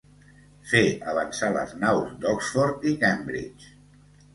Fer avançar les naus d'Oxford i Cambridge.